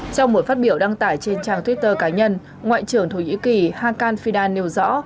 trong một phát biểu đăng tải trên trang twitter cá nhân ngoại trưởng thổ nhĩ kỳ hankan fida nêu rõ